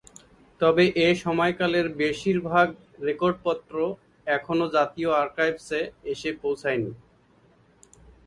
তবে এ সময়কালের বেশির ভাগ রেকর্ডপত্র এখনও জাতীয় আর্কাইভসে এসে পৌঁছায় নি।